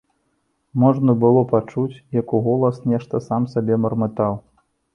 Можна было пачуць, як уголас нешта сам сабе мармытаў.